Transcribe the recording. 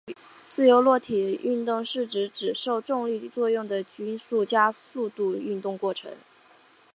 自由落体运动是指只受重力作用的均匀加速度运动过程。